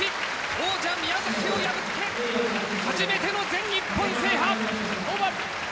王者宮崎を破って初めての全日本制覇」。